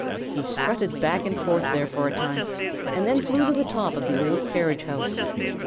He strutted back and forth there for a time, and then flew to the top of the old carriage house.